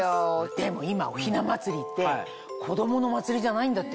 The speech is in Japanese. でも今おひな祭りって子供の祭りじゃないんだって。